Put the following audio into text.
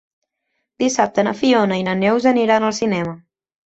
Dissabte na Fiona i na Neus aniran al cinema.